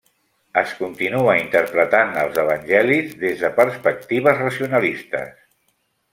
Es continua interpretant els Evangelis des de perspectives racionalistes.